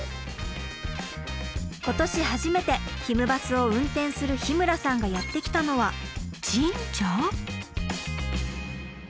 今年初めてひむバスを運転する日村さんがやって来たのは神社？